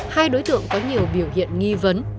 hai đối tượng có nhiều biểu hiện nghi vấn